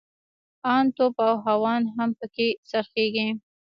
ان توپ او هاوان هم پکښې خرڅېږي.